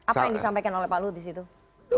apa yang disampaikan oleh pak luhut disitu